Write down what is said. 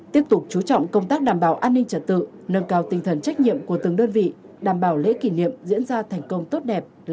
tiếp tục chú trọng công tác đảm bảo an ninh trật tự nâng cao tinh thần trách nhiệm của từng đơn vị đảm bảo lễ kỷ niệm diễn ra thành công tốt đẹp làn tỏa ý nghĩa